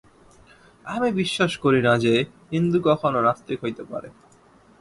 আমি বিশ্বাস করি না যে, হিন্দু কখনও নাস্তিক হইতে পারে।